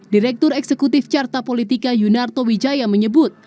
direktur eksekutif carta politika yunarto wijaya menyebut